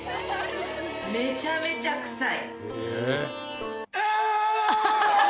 めちゃめちゃ臭い。